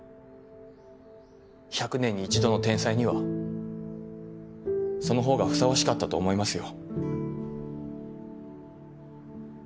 百年に一度の天才にはその方がふさわしかったと思いますよ。